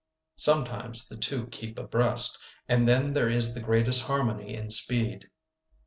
Sometimes the two keep abreast, and then there is the greatest harmony in speed.